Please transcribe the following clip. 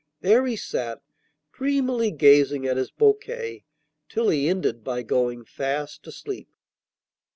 There he sat, dreamily gazing at his bouquet till he ended by going fast asleep.